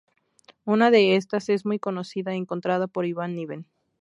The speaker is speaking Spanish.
Una de estas es muy conocida, encontrada por Ivan Niven.